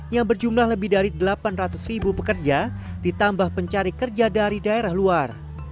yang berjumlah lebih dari delapan ratus ribu pekerja ditambah pencari kerja dari daerah luar